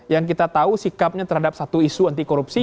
yang kita tahu sikapnya terhadap satu isu anti korupsi